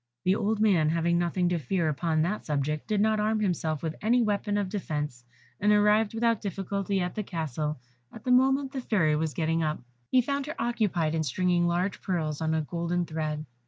The old man having nothing to fear upon that subject, did not arm himself with any weapon of defence, and arrived without difficulty at the castle at the moment the Fairy was getting up. He found her occupied in stringing large pearls on a golden thread.